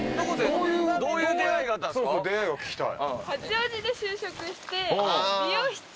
そうそう出会いを聞きたい。